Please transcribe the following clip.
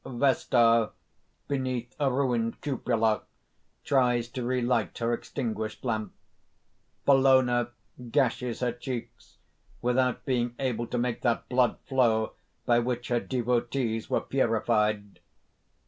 _ Vesta, beneath a ruined cupola, tries to relight her extinguished lamp. _Bellona gashes her cheeks, without being able to make that blood flow by which her devotees were purified.